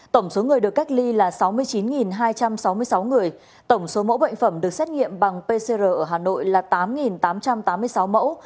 tổng số người được cách ly là sáu mươi chín hai trăm sáu mươi sáu người tổng số mẫu bệnh phẩm được xét nghiệm bằng pcr ở hà nội là tám tám trăm tám mươi sáu mẫu